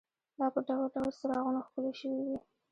دا په ډول ډول څراغونو ښکلې شوې وې.